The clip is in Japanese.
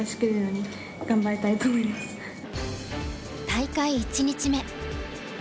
大会１日目。